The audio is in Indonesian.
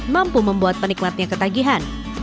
mampu membuat penikmatnya ketagihan